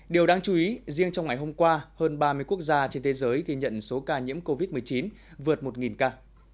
điều đáng chú ý riêng trong ngày hôm qua hơn ba mươi quốc gia trên thế giới ghi nhận số ca nhiễm covid một mươi chín vượt một ca